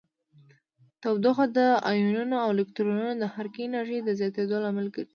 تودوخه د ایونونو او الکترونونو د حرکې انرژي د زیاتیدو لامل ګرځي.